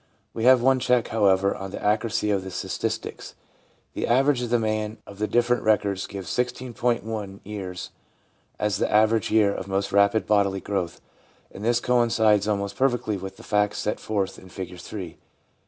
We have one check, however, on the accuracy of the statistics : the average of the mean of the different records gives 16.1 years as the average year of most rapid bodily growth, and this coincides almost perfectly with the facts set forth in Figure 3.